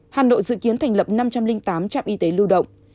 hà nội dự kiến thành lập năm trăm linh tám trạm y tế lưu động